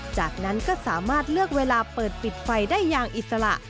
จากนั้นก็สามารถเลือกเวลาเปิดปิดไฟได้อย่างอิสระ